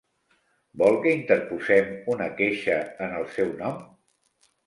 Vol que interposem una queixa en el seu nom?